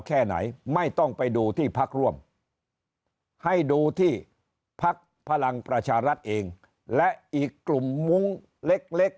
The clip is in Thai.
แค่ไหนไม่ต้องไปดูที่พักร่วมให้ดูที่พักพลังประชารัฐเองและอีกกลุ่มมุ้งเล็ก